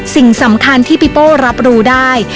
สิ่งสำคัญที่ปีโป้รับรู้ได้